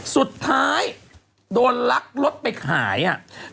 สุดท้ายโดนลักรถไปขายอ่ะ